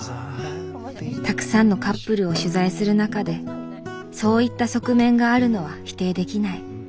沢山のカップルを取材する中でそういった側面があるのは否定できない。